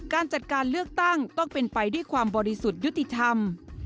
การจัดการเลือกตั้งต้องเป็นไปด้วยความบริสุทธิ์ยุติธรรม